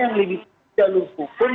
yang lebih jalur hukum